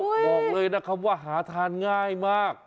บอกเลยนะครับว่าหาทานง่ายมาก